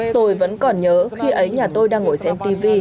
tôi vẫn còn nhớ khi ấy nhà tôi đang ngồi xem tv